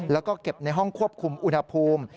แล้วก็เก็บในห้องควบคุมอุณหภูมิ